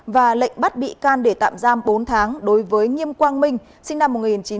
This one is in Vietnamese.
và lệnh bắt bị can để tạm giam bốn tháng đối với nghiêm quang minh sinh năm một nghìn chín trăm tám mươi